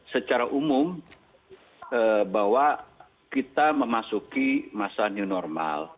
secara umum bahwa kita memasuki masa new normal